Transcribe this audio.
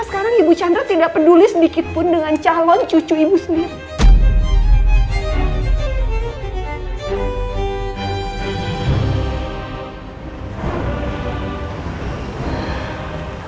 apa sekarang ibu chandra tidak peduli sedikitpun dengan calon cucu ibu sendiri